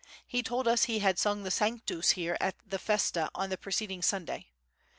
He told us he had sung the Sanctus here at the festa on the preceding Sunday.